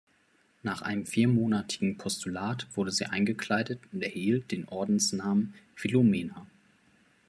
Nach einem viermonatigen Postulat wurde sie eingekleidet und erhielt den Ordensnamen Philomena.